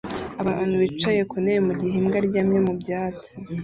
Abantu bicaye ku ntebe mugihe imbwa aryamye mu byatsi